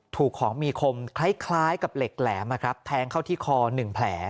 ถูกของมีคมคล้ายกับเหล็กแหลมแทงเข้าที่คอ๑แผล